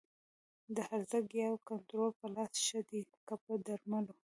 د هرزه ګیاوو کنټرول په لاس ښه دی که په درملو؟